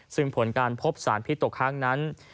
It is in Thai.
ซึ่งผลการพบสารพิษตกค้างนั้น